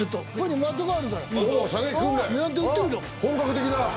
本格的な。